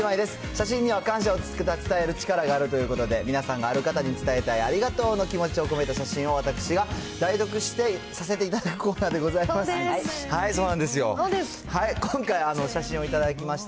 写真には感謝を伝える力があるということで、皆さんがある方に伝えたい、ありがとうの気持ちを込めた写真を私が代読させていただくコーナーでございます。